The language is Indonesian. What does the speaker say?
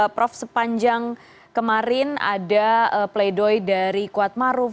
prof sepanjang kemarin ada pleidoy dari kuatmaruf